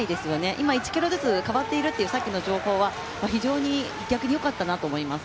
今、１ｋｍずつ変わっているというさっきの前半は非常に逆によかったなと思います。